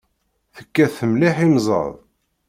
Tekkat mliḥ imẓad.